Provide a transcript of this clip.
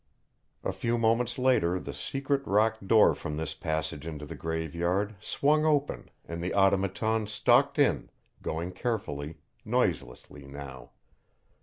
A few moments later the secret rock door from this passage into the Graveyard swung open and the Automaton stalked in, going carefully, noiselessly, now.